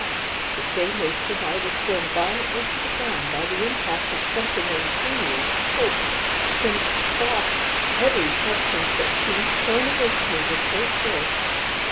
At the same instant I was thrown violently to the ground by the impact of something unseen in the smoke some soft, heavy substance that seemed thrown against me with great force.